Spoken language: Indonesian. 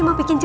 mau bikin jus